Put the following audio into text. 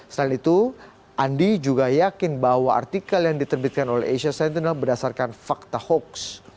selain itu andi juga yakin bahwa artikel yang diterbitkan oleh asia sentinel berdasarkan fakta hoax